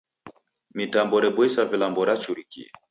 Mitambo reboisa vilambo rachurikie.